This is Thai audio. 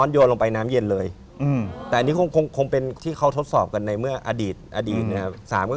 จริงมันเป็นศักระษ์สังว่านพอดีครับ